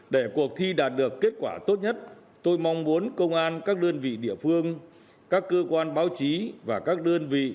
để cuộc thi đạt được kết quả tốt nhất tôi mong muốn công an các đơn vị địa phương các cơ quan báo chí và các đơn vị